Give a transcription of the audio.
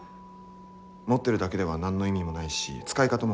持ってるだけでは何の意味もないし使い方も難しい。